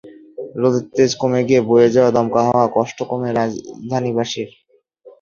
রোদের তেজ কমে গিয়ে বয়ে যাওয়া দমকা হাওয়ায় কষ্ট কমে রাজধানীবাসীর।